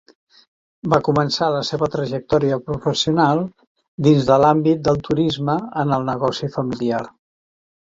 Va començar la seva trajectòria professional dins de l'àmbit del turisme en el negoci familiar.